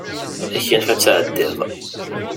Ad ak-yanef ad tɛeddiḍ.